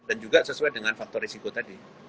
dan juga sesuai dengan faktor risiko tadi